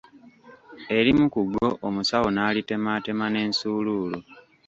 Erimu ku go Omusawo n'alitemaatema n'ensuuluulu.